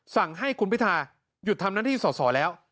สั่งให้คุณพิทาหยุดทำหน้าที่สอสอแล้ว